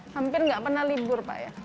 hampir nggak pernah libur pak ya